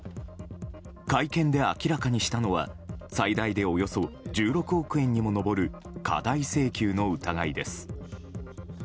会見で明らかにしたのは最大でおよそ１６億円にも上る過大請求の疑いです。